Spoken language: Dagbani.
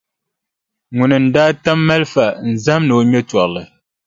Ŋuni n-daa tam malifa n-zahim ni o ŋme tɔrili?